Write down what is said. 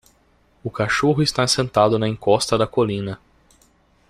O cachorro está sentado na encosta da colina.